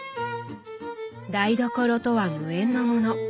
台所とは無縁のもの。